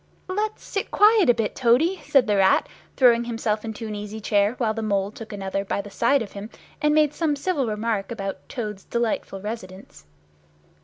"Let's sit quiet a bit, Toady!" said the Rat, throwing himself into an easy chair, while the Mole took another by the side of him and made some civil remark about Toad's "delightful residence."